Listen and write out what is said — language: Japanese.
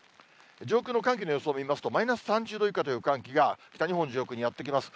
上空の寒気の予想を見ますと、マイナス３０度という寒気が、北日本上空にやって来ます。